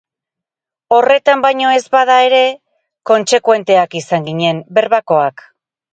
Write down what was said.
Horretan baino ez bada ere, kontsekuenteak izan ginen, berbakoak.